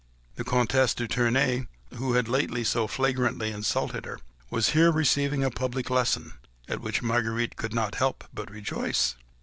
The Comtesse de Tournay, who lately had so flagrantly insulted her, was here receiving a public lesson, at which Marguerite could not help but rejoice.